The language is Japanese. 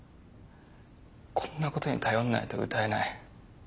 こんなことに頼んないと歌えない。